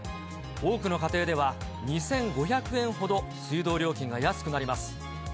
多くの家庭では、２５００円ほど水道料金が安くなります。